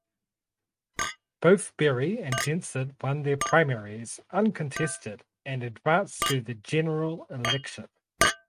Both Berry and Jensen won their primaries uncontested and advanced to the general election.